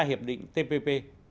hiệp định tpp